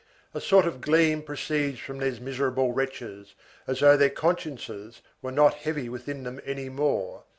A sort of gleam proceeds from these miserable wretches, as though their consciences were not heavy within them any more.